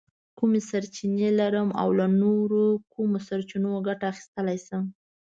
کومې سرچینې لرم او له نورو کومو سرچینو ګټه اخیستلی شم؟